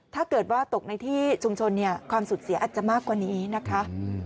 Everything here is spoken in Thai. ถ้าเกิดว่าตกในที่ชุมชนเนี่ยความสูญเสียอาจจะมากกว่านี้นะคะ